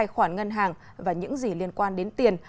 khoản ngân hàng và những gì liên quan đến tiền